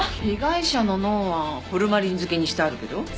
被害者の脳はホルマリン漬けにしてあるけど。